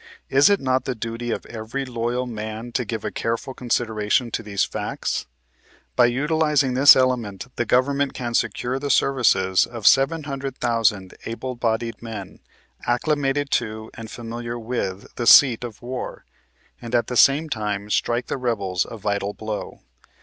Is it not the duty of every loyal man to give a careful consideration to these facts ? By utilizing this element the Government can secure the services of 700,000 able bodied men, acclimated to and familiar with the seat of wai\and at the same .time strike the Rebels a vital blow.